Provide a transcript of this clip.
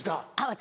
私